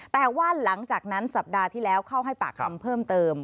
แต่ว่าหลังจากนั้นสัปดาห์ที่แล้วเข้าให้ปากคำเพิ่มเติม